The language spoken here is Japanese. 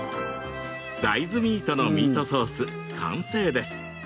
大豆ミートのミートソース完成です。